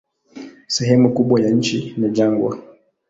Sehemu kubwa ya nchi ni jangwa.